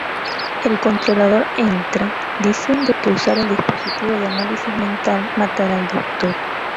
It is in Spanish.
El controlador entra, diciendo que usar el dispositivo de análisis mental matará al Doctor.